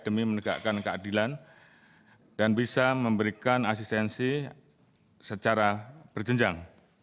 demi menegakkan keadilan dan bisa memberikan asistensi secara berjenjang